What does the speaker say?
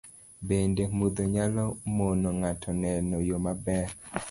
Bende, mudho nyalo mono ng'ato neno yo maber